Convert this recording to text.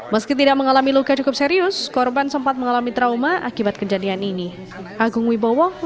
meski tidak mengalami luka cukup serius korban sempat mengalami trauma akibat kejadian ini